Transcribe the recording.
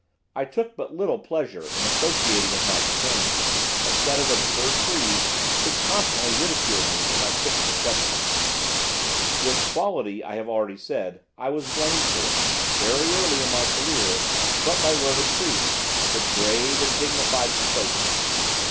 I took but little pleasure in associating with my companions, a set of absurd trees, who constantly ridiculed me for my quick perception. This quality, I have already said, I was blamed for, very early in my career but by learned trees, with grave and dignified complaisance.